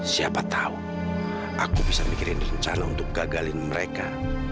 siapa tahu aku bisa mikirin rencana untuk gagalin mereka